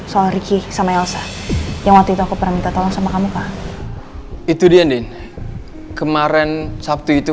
soal ricky sama elsa yang waktu itu aku perminta tolong sama kamu pak itu dia din kemarin sabtu itu